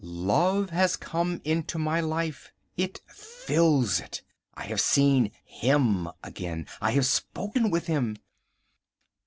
Love has come into my life. It fills it. I have seen HIM again. I have spoken with him.